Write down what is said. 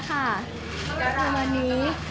ประมาณนี้